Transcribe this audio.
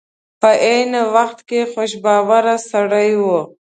په عین وخت کې خوش باوره سړی و.